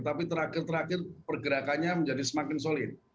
tapi terakhir terakhir pergerakannya menjadi semakin solid